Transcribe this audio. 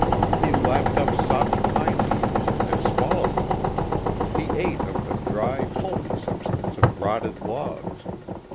He lapped up soft pine needles, and swallowed them. He ate of the dry, pulpy substance of rotted logs.